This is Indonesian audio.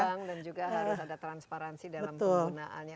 kurang dan juga harus ada transparansi dalam penggunaannya